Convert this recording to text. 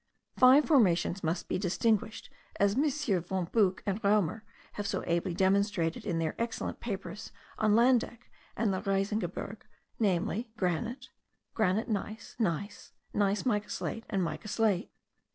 Five formations must be distinguished, as MM. von Buch and Raumer have so ably demonstrated in their excellent papers on Landeck and the Riesengebirge, namely, granite, granite gneiss, gneiss, gneiss mica slate, and mica slate.